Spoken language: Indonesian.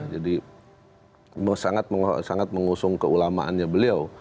jadi sangat mengusung keulamaannya beliau